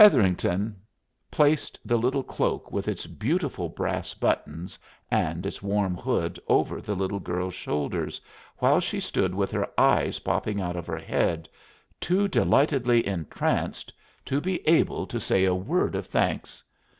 ] Hetherington placed the little cloak with its beautiful brass buttons and its warm hood over the little girl's shoulders, while she stood with her eyes popping out of her head, too delightedly entranced to be able to say a word of thanks.